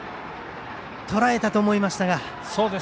とらえたと思いましたが。